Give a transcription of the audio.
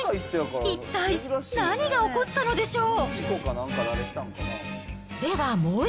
一体何が起こったのでしょう。